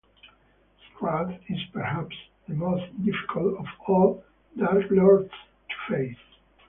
Strahd is perhaps the most difficult of all darklords to face.